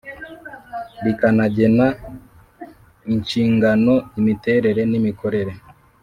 Rikanagena inshingano imiterere n imikorere